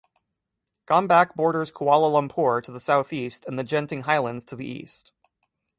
Gombak borders Kuala Lumpur to the southeast and the Genting Highlands to the east.